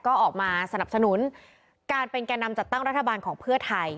ก็ออกมาสนับสนุนการเป็นแก่นำจัดตั้งรัฐบาลของเพื่อไทย